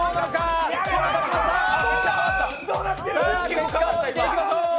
結果を見ていきましょう。